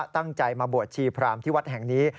ตั้งใจมาบวชชีพรามที่วัดแห่งนี้